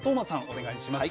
お願いします。